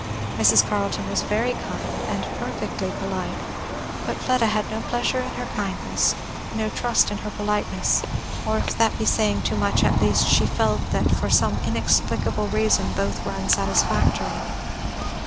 Mrs. Carleton was very kind, and perfectly polite; but Fleda had no pleasure in her kindness, no trust in her politeness; or if that be saying too much, at least she felt that for some inexplicable reason both were unsatisfactory.